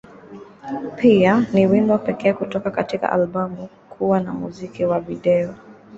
Pia, ni wimbo pekee kutoka katika albamu kuwa na muziki wa video.